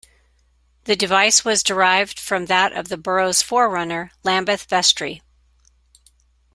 The device was derived from that of the borough's forerunner, Lambeth Vestry.